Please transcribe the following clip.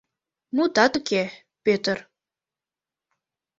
Мутат уке, Пӧтыр.